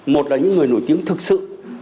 một là những người nổi tiếng thực sự